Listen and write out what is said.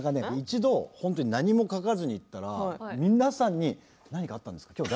一度、本当に何も書かずに行ったら、皆さんに何かあったんですか？